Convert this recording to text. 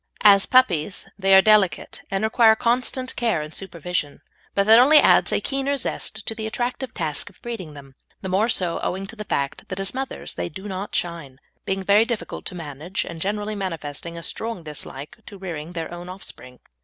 As puppies they are delicate, and require constant care and supervision; but that only adds a keener zest to the attractive task of breeding them, the more so owing to the fact that as mothers they do not shine, being very difficult to manage, and generally manifesting a strong dislike to rearing their own offspring.